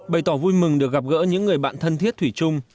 bày tỏ vui mừng được gặp gỡ những người bạn thân thiết thủy chung